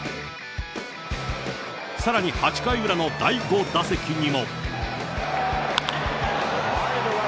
さらに８回裏の第５打席にも。